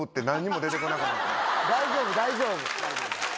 大丈夫大丈夫。